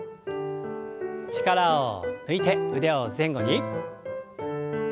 力を抜いて腕を前後に。